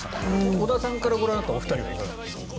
織田さんからご覧になったお二人はいかがですか？